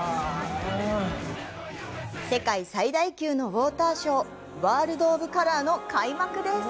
世界最大級のウォーターショー、ワールド・オブ・カラーの開幕です！